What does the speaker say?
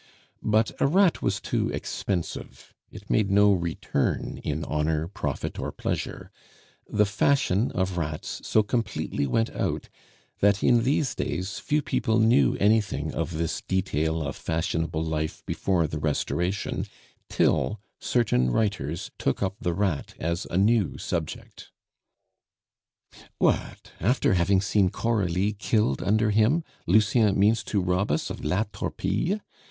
But a "rat" was too expensive; it made no return in honor, profit, or pleasure; the fashion of rats so completely went out, that in these days few people knew anything of this detail of fashionable life before the Restoration till certain writers took up the "rat" as a new subject. "What! after having seen Coralie killed under him, Lucien means to rob us of La Torpille?"